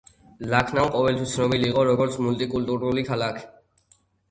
ლაქნაუ ყოველთვის ცნობილი იყო, როგორც მულტიკულტურული ქალაქი.